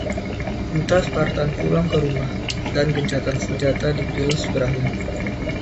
Duta Spartan pulang ke rumah, dan gencatan senjata di Pylos berakhir.